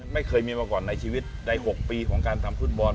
ไม่เคยมีมาก่อนในชีวิตใน๖ปีของการทำฟุตบอล